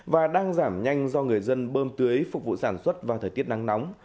và đang giảm nhanh do người dân bơm tưới phục vụ sản xuất vào thời tiết nắng nóng